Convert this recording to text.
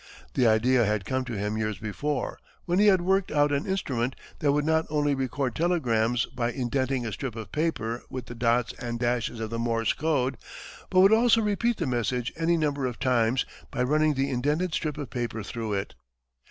The idea had come to him years before, when he had worked out an instrument that would not only record telegrams by indenting a strip of paper with the dots and dashes of the Morse code, but would also repeat the message any number of times by running the indented strip of paper through it.